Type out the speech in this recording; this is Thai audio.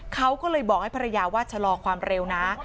เขาก็เลยบอกให้ภรรยาว่าชะลอความเร็วนะ